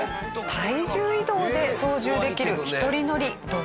体重移動で操縦できる１人乗りドローン。